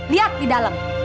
lihat di dalam